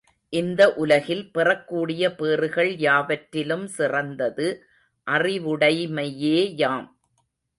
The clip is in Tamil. இந்த உலகில் பெறக்கூடிய பேறுகள் யாவற்றிலும் சிறந்தது அறிவுடைமையேயாம்.